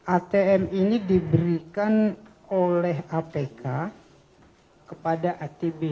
atm ini diberikan oleh apk kepada atb